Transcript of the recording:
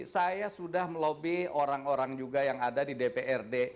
saya sudah melobi orang orang juga yang ada di dprd